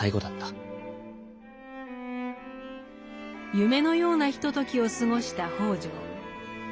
夢のようなひとときを過ごした北條。